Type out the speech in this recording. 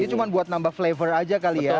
ini cuma buat nambah flavor aja kali ya